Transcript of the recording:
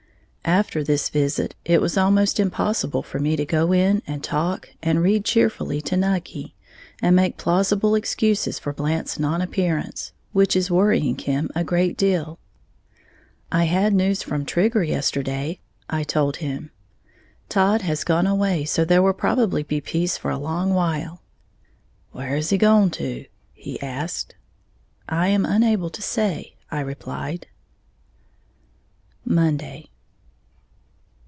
After this visit it was almost impossible for me to go in and talk and read cheerfully to Nucky, and make plausible excuses for Blant's non appearance, which is worrying him a great deal. "I had news from Trigger yesterday," I told him, "Todd has gone away, so there will probably be peace for a long while." "Where has he gone to?" he asked. "I am unable to say," I replied. _Monday.